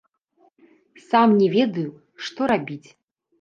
Сам не ведаю, што рабіць.